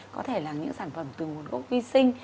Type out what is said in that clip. có thể là những sản phẩm từ nguồn gốc vi sinh